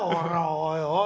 おいおい！